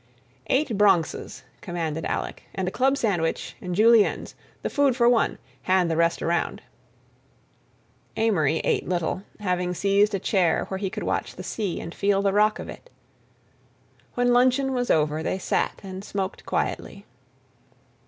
"Eight Bronxes," commanded Alec, "and a club sandwich and Juliennes. The food for one. Hand the rest around." Amory ate little, having seized a chair where he could watch the sea and feel the rock of it. When luncheon was over they sat and smoked quietly.